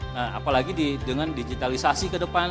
nah apalagi di dengan digitalisasi kedepan